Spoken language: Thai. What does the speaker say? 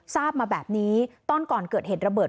ทราบมาแบบนี้ตอนก่อนเกิดเหตุระเบิด